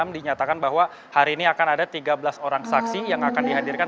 dinyatakan bahwa hari ini akan ada tiga belas orang saksi yang akan dihadirkan